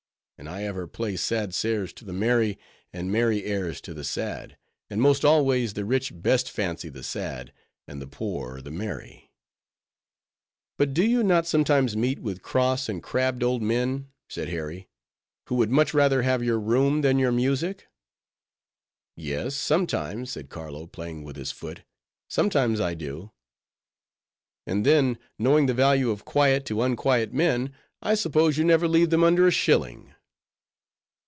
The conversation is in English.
And I ever play sad airs to the merry, and merry airs to the sad; and most always the rich best fancy the sad, and the poor the merry." "But do you not sometimes meet with cross and crabbed old men," said Harry, "who would much rather have your room than your music?" "Yes, sometimes," said Carlo, playing with his foot, "sometimes I do." "And then, knowing the value of quiet to unquiet men, I suppose you never leave them under a shilling?"